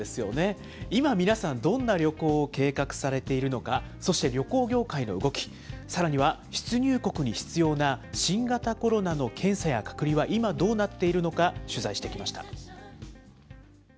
今、皆さん、どんな旅行を計画されているのか、そして旅行業界の動き、さらには出入国に必要な新型コロナの検査や隔離は今、どうなっているのか、取材してきました。